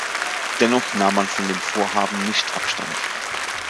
Dennoch nahm man von dem Vorhaben nicht Abstand.